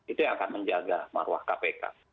itu yang akan menjaga marwah kpk